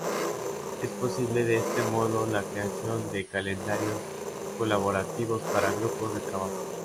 Es posible de este modo la creación de calendarios colaborativos para grupos de trabajo.